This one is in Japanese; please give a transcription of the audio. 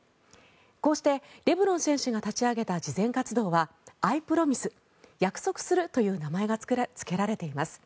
こうして、レブロン選手が立ち上げた慈善活動はＩＰｒｏｍｉｓｅ約束するという名前がつけられています。